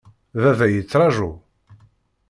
Baba yettraju.